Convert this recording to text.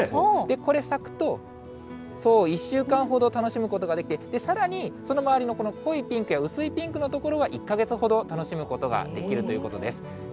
これ、咲くと、１週間ほど楽しむことができて、さらにその周りの濃いピンクや薄いピンクの所は１か月ほど楽しむことができるということです。